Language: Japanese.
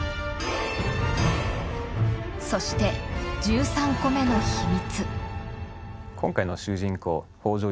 そして１３個目の秘密。